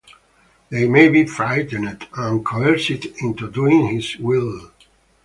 They may be frightened and coerced into doing his will.